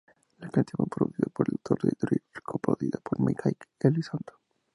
La canción fue producida por Dr. Dre y coproducida por Mike Elizondo.